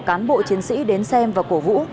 cán bộ chiến sĩ đến xem và cổ vũ